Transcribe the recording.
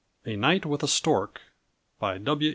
_) A NIGHT WITH A STORK. W.